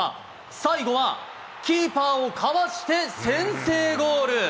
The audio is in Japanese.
最後は、キーパーをかわして先制ゴール。